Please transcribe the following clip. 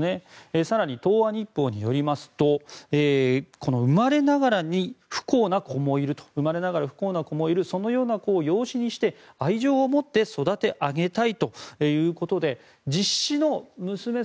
更に、東亜日報によりますと生まれながらに不幸な子もいるそのような子を養子にして愛情を持って育て上げたいということで実子の娘さん